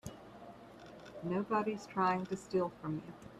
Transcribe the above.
Nobody's trying to steal from you.